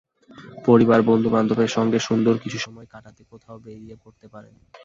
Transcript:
পরিবার বন্ধুবান্ধবের সঙ্গে সুন্দর কিছু সময় কাটাতে কোথাও বেড়িয়ে পড়তে পারেন।